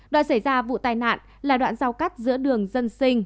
đoạn xảy ra vụ tai nạn là đoạn giao cắt giữa đường dân sinh